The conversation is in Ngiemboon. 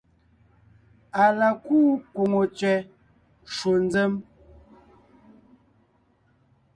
Á la kúu kwòŋo tsẅɛ ncwò nzěm,